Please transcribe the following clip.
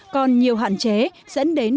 còn nhiều hạn chế dẫn đến mạng